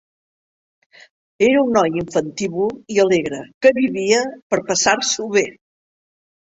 Era un noi infantívol i alegre que vivia per passar-s'ho bé.